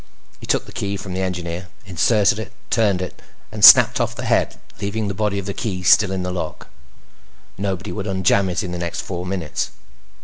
He took the key from the Engineer, inserted it, turned it, and snapped off the head, leaving the body of the key still in the lock. Nobody would unjam it in the next four minutes.